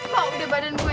pak udah badan gue